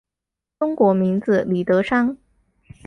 中国名字李德山。